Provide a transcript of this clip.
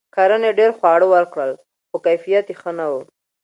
کرنې ډیر خواړه ورکړل؛ خو کیفیت یې ښه نه و.